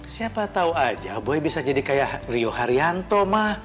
siapa tahu aja boy bisa jadi kayak rio haryanto mah